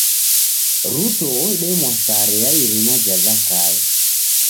Ruto odemwa sare ya irina ja Zakayo.